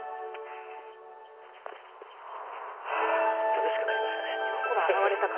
涼しくなりましたね。